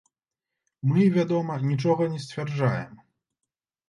Мы, вядома, нічога не сцвярджаем.